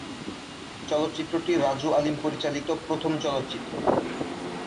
চলচ্চিত্রটি রাজু আলীম পরিচালিত প্রথম চলচ্চিত্র।